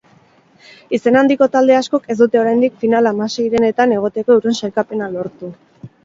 Izen handiko talde askok ez dute oraindik final-hamaseirenetan egoteko euren sailkapena lortu.